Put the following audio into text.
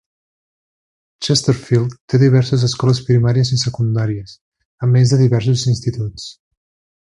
Chesterfield té diverses escoles primàries i secundàries, a més de diversos instituts.